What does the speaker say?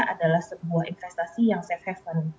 adalah sebuah investasi yang safe haven